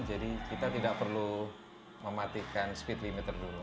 jadi kita tidak perlu mematikan speed limiter dulu